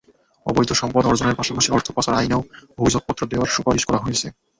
অবৈধ সম্পদ অর্জনের পাশাপাশি অর্থ পাচার আইনেও অভিযোগপত্র দেওয়ার সুপারিশ করা হয়েছে।